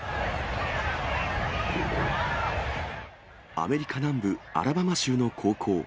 アメリカ南部アラバマ州の高校。